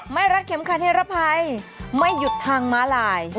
รัดเข็มขัดนิรภัยไม่หยุดทางม้าลาย